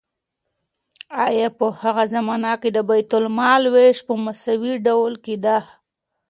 آیا په هغه زمانه کې د بیت المال ویش په مساوي ډول کیده؟